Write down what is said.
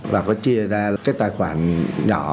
và có chia ra tài khoản nhỏ